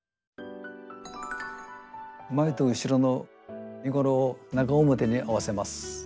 前と後ろの身ごろを中表に合わせます。